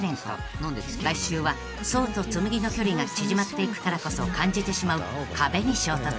［来週は想と紬の距離が縮まっていくからこそ感じてしまう壁に衝突］